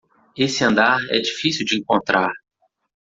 Esse andar é difícil de encontrar